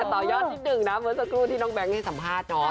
แต่ต่อยอดที่หนึ่งนะเหมือนสักครู่ที่น้องแบงค์ให้สัมภาษณ์